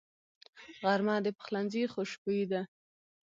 غرمه د پخلنځي خوشبويي ده